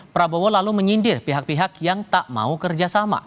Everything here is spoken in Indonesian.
prabowo lalu menyindir pihak pihak yang tak mau kerjasama